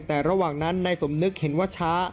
แต่ระหว่างนั้นนายสมนึกเห็นว่าช้า